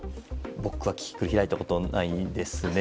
僕は、キキクル開いたことないですね。